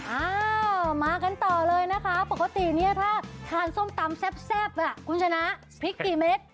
อ่ามากันต่อเลยนะคะปกติเนี่ยถ้าทานส้มตำแซ่บคุณชนะพริกกี่เม็ด